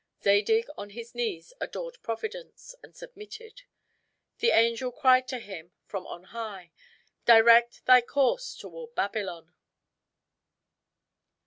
Zadig on his knees adored Providence, and submitted. The angel cried to him from on high, "Direct thy course toward Babylon."